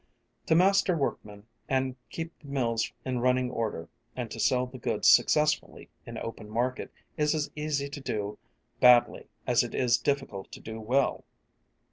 To master workmen and keep the mills in running order and to sell the goods successfully in open market is as easy to do badly as it is difficult to do well.